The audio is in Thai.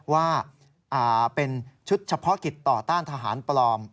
ว่าเป็นชุดเฉพาะกิจต่อต้านทหารปลอม